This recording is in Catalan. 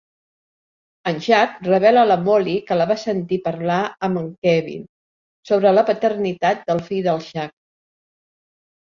En Jack li revela a la Molly que la va sentir parlar amb en Kevin, sobre la paternitat del fill del Jack.